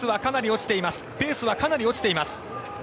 ペースはかなり落ちています。